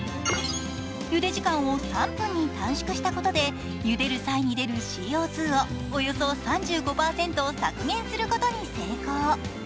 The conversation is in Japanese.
茹で時間を３分に短縮したことで、茹でる際に出るＣＯ２をおよそ３５％削減することに成功。